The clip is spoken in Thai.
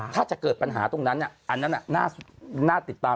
ถ้าจะเกิดปัญหาตรงนั้นอันนั้นน่าติดตาม